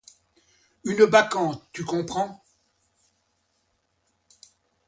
Une bacchante, tu comprends!».